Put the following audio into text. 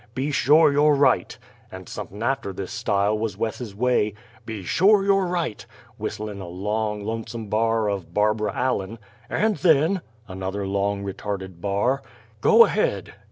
"Be shore you're right" and somep'n' after this style wuz Wes's way: "Be shore you're right" (whistling a long, lonesome bar of "Barbara Allen") "and then" (another long, retarded bar) "go ahead!"